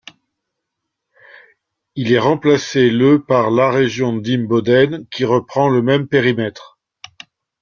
Il est remplacé le par la région d'Imboden, qui reprend le même périmètre.